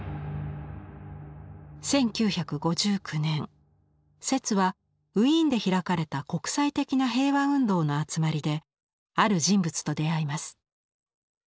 １９５９年摂はウィーンで開かれた国際的な平和運動の集まりである人物と出会います。